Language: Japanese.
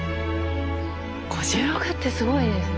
５６ってすごいですね。